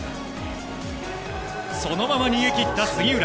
そのまま逃げ切った杉浦。